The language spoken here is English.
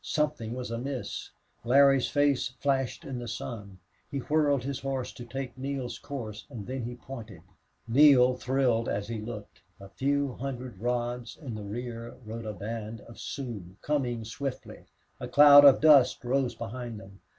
Something was amiss. Larry's face flashed in the sun. He whirled his horse to take Neale's course and then he pointed. Neale thrilled as he looked. A few hundred rods in the rear rode a band of Sioux, coming swiftly. A cloud of dust rose behind them.